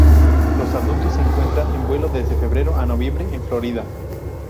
Los adultos se encuentran en vuelo desde febrero a noviembre en Florida.